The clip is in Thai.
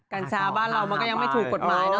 กัญชาบ้านเรามันก็ยังไม่ถูกกฎหมายเนอ